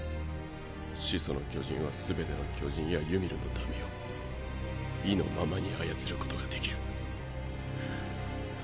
始祖の巨人はすべての巨人やユミルの民を意のままに操ることができる。